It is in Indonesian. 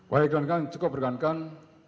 wahai teman teman cukup berkankan